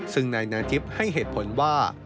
ซึ่งในนาจิปให้เหตุผลว่า